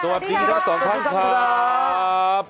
สวัสดีครับ๒ท่านครับ